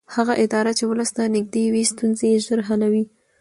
هغه اداره چې ولس ته نږدې وي ستونزې ژر حلوي